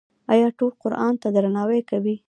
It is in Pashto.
آیا ټول قرآن ته درناوی کوي؟